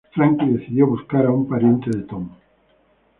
Franky decidió buscar a un pariente de Tom.